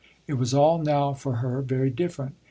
It was all now for her very different.